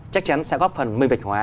chắc chắn sẽ góp phần minh bạch hóa